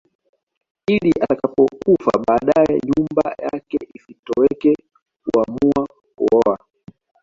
Ili atakapokufa baadae nyumba yake isitoweke huamua kuoa